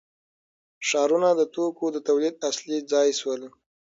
ښارونه د توکو د تولید اصلي ځای شول.